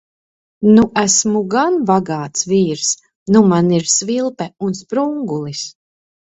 Nu esmu gan bagāts vīrs. Nu man ir svilpe un sprungulis!